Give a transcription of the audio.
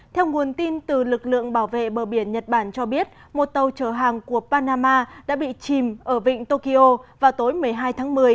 theo nguồn tin từ lực lượng bảo vệ bờ biển nhật bản cho biết một tàu chở hàng của panama đã bị chìm ở vịnh tokyo vào tối một mươi hai tháng một mươi